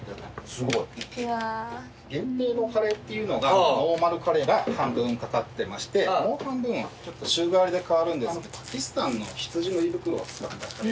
すごい。限定のカレーっていうのがノーマルカレーが半分掛かってましてもう半分はちょっと週替わりで替わるんですけどパキスタンの羊の胃袋を使った。